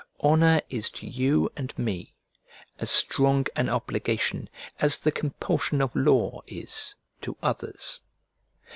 Honour is to you and me as strong an obligation as the compulsion of law is to others.